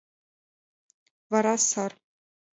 Вара — сар.